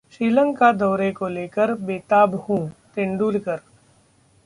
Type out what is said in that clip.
श्रीलंका दौरे को लेकर बेताब हूं: तेंदुलकर